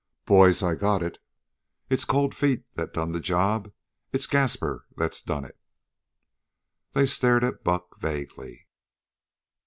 "Boys, I got it! It's Cold Feet that done the job. It's Gaspar that done it!" They stared at Buck vaguely.